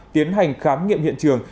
tiến hành khám nghiệm hiện trường